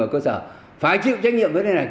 ở cơ sở phải chịu trách nhiệm với thế này